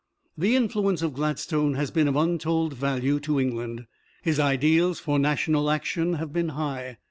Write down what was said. The influence of Gladstone has been of untold value to England. His ideals for national action have been high.